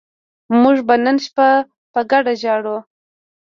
موږ به نن شپه په ګډه ژاړو